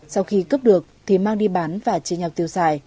sau khi cướp được thì mang đi bán và chia nhau tiêu xài